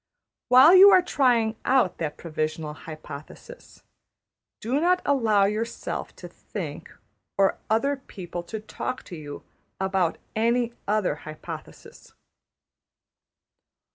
While you are trying out that provisional hypothesis, do not allow yourself to think, or other people to talk to you, about any other hypothesis.